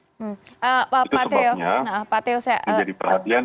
itu sebabnya menjadi perhatian